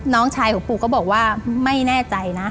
น้องชายของปู่ก็บอกว่าไม่แน่ใจนะ